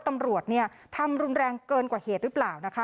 ตำรวจเนี่ยทำรุนแรงเกินกว่าเหตุหรือเปล่านะคะ